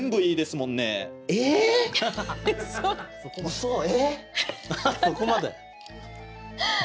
そこまで？